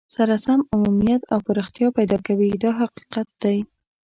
سره سم عمومیت او پراختیا پیدا کوي دا حقیقت دی.